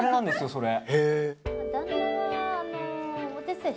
それ。